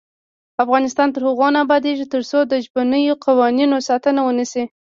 افغانستان تر هغو نه ابادیږي، ترڅو د ژبنیو قوانینو ساتنه ونشي.